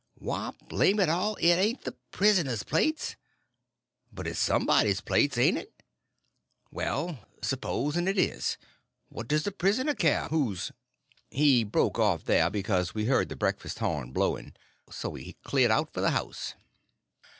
"Why, blame it all, it ain't the prisoner's plates." "But it's somebody's plates, ain't it?" "Well, spos'n it is? What does the prisoner care whose—" He broke off there, because we heard the breakfast horn blowing. So we cleared out for the house.